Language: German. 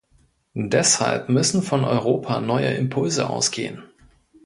Deshalb müssen von Europa neue Impulse ausgehen.